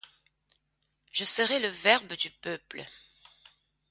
Je serai le Verbe du Peuple.